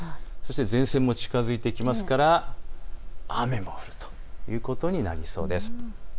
前線も近づいてくるので雨も降るということになりそうです。